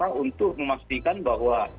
karena untuk memastikan bahwa